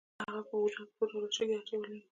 هغه په بوتل کې څو ډوله شګې اچولې.